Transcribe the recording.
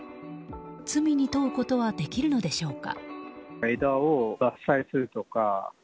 罪に問うことはできるのでしょうか。